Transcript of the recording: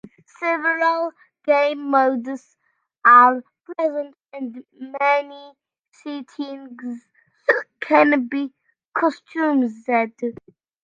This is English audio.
Several game modes are present and many settings can be customized.